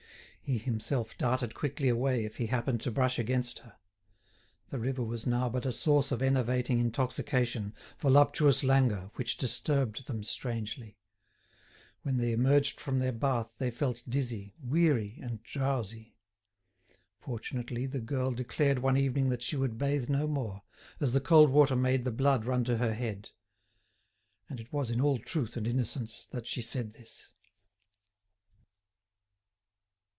He himself darted quickly away if he happened to brush against her. The river was now but a source of enervating intoxication, voluptuous languor, which disturbed them strangely. When they emerged from their bath they felt dizzy, weary, and drowsy. Fortunately, the girl declared one evening that she would bathe no more, as the cold water made the blood run to her head. And it was in all truth and innocence that she said this.